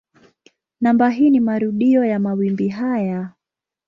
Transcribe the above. Namba hii ni marudio ya mawimbi haya.